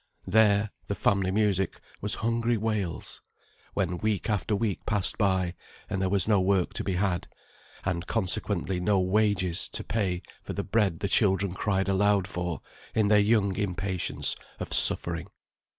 There, the family music was hungry wails, when week after week passed by, and there was no work to be had, and consequently no wages to pay for the bread the children cried aloud for in their young impatience of suffering.